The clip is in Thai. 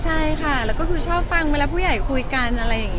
ใช่ค่ะแล้วก็ชอบฟังเวลาผู้ใหญ่คุยกัน